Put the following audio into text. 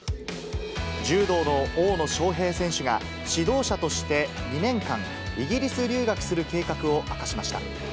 柔道の大野将平選手が指導者として２年間、イギリス留学する計画を明かしました。